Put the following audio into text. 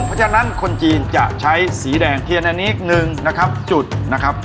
เพราะฉะนั้นคนจีนจะใช้สีแดงเทียนอันนี้อีกหนึ่งนะครับจุดนะครับ